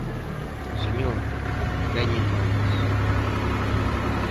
Señor, veñen máis.